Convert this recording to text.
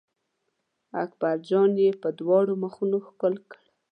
اکبر جان یې په دواړو مخونو ښکل کړ.